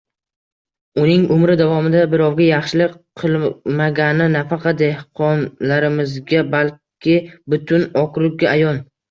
Uning umri davomida birovga yaxshilik qilmagani nafaqat dehqonlarimizga, balki butun okrugga ayon